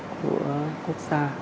của quốc gia